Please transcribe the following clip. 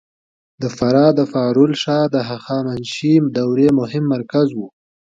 د فراه د فارول ښار د هخامنشي دورې مهم مرکز و